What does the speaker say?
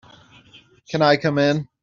Can I come in?